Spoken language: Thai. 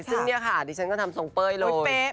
ซึ่งเนี่ยค่ะดิฉันก็ทำทรงเป้ยเลย